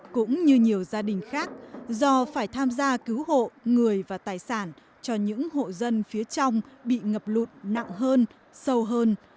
cũng như nhiều gia đình khác do phải tham gia cứu hộ người và tài sản cho những hộ dân phía trong bị ngập lụt nặng hơn sâu hơn